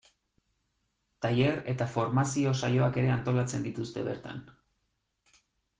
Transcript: Tailer eta formazio saioak ere antolatzen dituzte bertan.